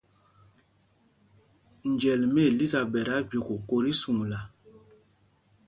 Njɛl mí Elisaɓɛt á jüe kokō tí suŋla.